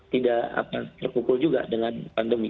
tidak apa terkukul juga dengan pandemi